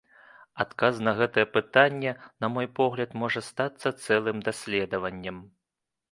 Адказ на гэта пытанне, на мой погляд, можа стацца цэлым даследаваннем.